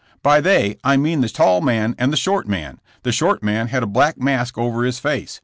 By they I mean the tall man and the short man. The short man had a black mask over his face.